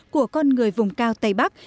của con người vùng cao tây bắc